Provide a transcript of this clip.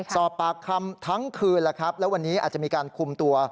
สอบปากคำทั้งคืนแล้วครับแล้ววันนี้อาจจะมีการคุมตัว